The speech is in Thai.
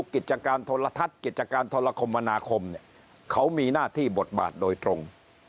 กิจการธรรทัศน์กิจการธรรมนาคมเขามีหน้าที่บทบาทโดยตรง